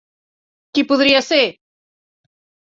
Qui podria ser?